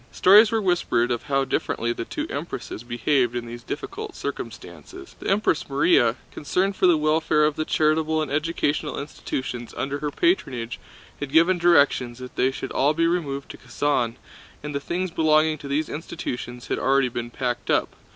Stories were whispered of how differently the two Empresses behaved in these difficult circumstances. The Empress Márya, concerned for the welfare of the charitable and educational institutions under her patronage, had given directions that they should all be removed to Kazán, and the things belonging to these institutions had already been packed up.